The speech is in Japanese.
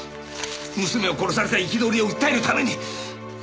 娘を殺された憤りを訴えるために。